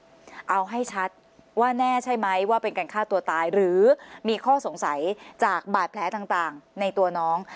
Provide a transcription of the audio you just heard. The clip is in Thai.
เอาให้ชัดว่าแน่ใช่ไหมว่าเป็นการฆ่าตัวตายหรือมีข้อสงสัยจากบาดแผลต่างในตัวน้อง